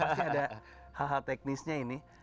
pasti ada hal hal teknisnya ini